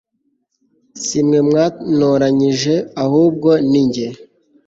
si mwe mwantoranyije ahubwo ni jye